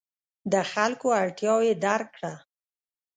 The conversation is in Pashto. د خلکو اړتیاوې درک کړه.